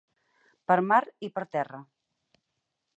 Per mar i per terra.